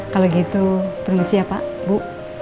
kalau gitu permisi ya pak bu